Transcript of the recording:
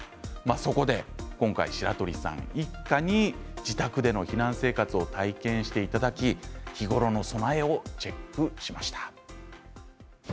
そこで今回、白鳥さん一家に自宅での避難生活を体験していただき日頃の備えをチェックしました。